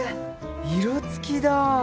色つきだ。